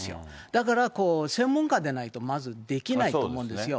だから専門家でないと、まずできないと思うんですよ。